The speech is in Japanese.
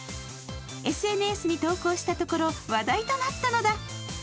ＳＮＳに投稿したところ、話題となったのだ。